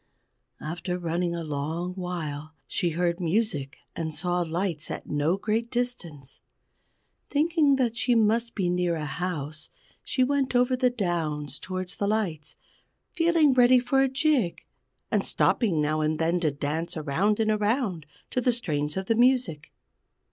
After running a long while, she heard music and saw lights at no great distance. Thinking that she must be near a house, she went over the downs toward the lights, feeling ready for a jig, and stopping now and then to dance around and around to the strains of the music.